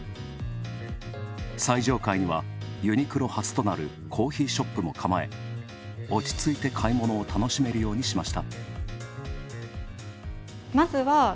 最上階にはユニクロ初となるコーヒーショップも構え落ち着いて買い物を楽しめるようにしました。